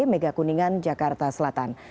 megakuningan jakarta selatan